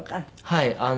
はい。